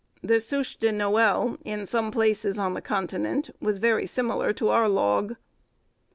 The Souche de Noël, in some places on the Continent, was very similar to our log.